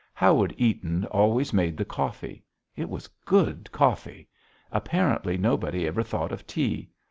Howard Eaton always made the coffee. It was good coffee. Apparently nobody ever thought of tea.